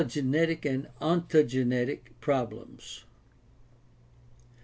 Phylogenetic and ontogenetic problems.